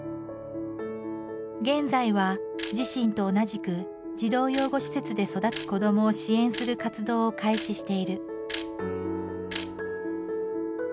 現在は自身と同じく児童養護施設で育つ子どもを支援する活動を開始している。